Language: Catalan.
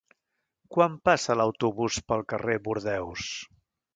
Quan passa l'autobús pel carrer Bordeus?